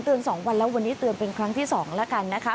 ๒วันแล้ววันนี้เตือนเป็นครั้งที่๒แล้วกันนะคะ